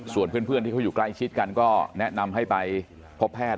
ส่วนเพื่อนที่เขาอยู่ใกล้ชิดกันก็แนะนำให้ไปพบแพทย์